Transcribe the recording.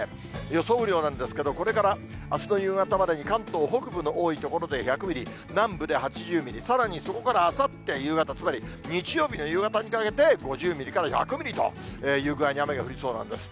予想雨量なんですけど、これからあすの夕方までに関東北部の多い所で１００ミリ、南部で８０ミリ、さらにそこからあさって夕方、つまり日曜日の夕方にかけて５０ミリから１００ミリという具合に雨が降りそうなんです。